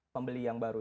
pembeli yang baru